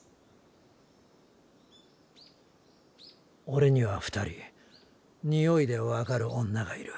オレには２人においで分かる女がいる。